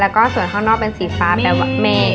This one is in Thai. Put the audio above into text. และส่วนข้างนอกสีฟ้าแปลว่าเมฆ